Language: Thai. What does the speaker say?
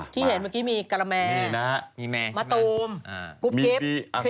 ที่เห็นเมื่อกี้มีกะละแมนมะตูมกุ๊บกิ๊บ